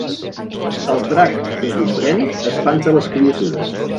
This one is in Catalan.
El drac de Gombrèn espanta les criatures